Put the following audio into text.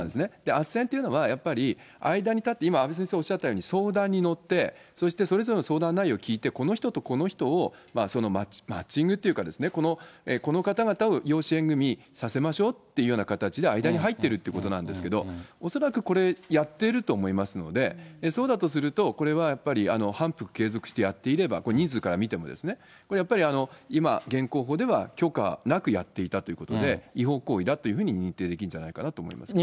あっせんというのは、やっぱり間に立って、今、阿部先生おっしゃったように、相談に乗って、そしてそれぞれの相談内容を聞いて、この人とこの人をマッチングというか、この方々を養子縁組させましょうっていうような形で、間に入ってるということなんですけど、恐らくこれ、やっていると思いますので、そうだとすると、これはやっぱり反復継続してやっていれば、人数から見てもですね、これやっぱり今、現行法では許可なくやっていたということで、違法行為だというふうに認定できるんじゃないかなと思います。